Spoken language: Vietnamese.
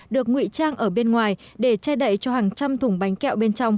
được ngụy trang ở bên ngoài để che đậy cho hàng trăm thùng bánh kẹo bên trong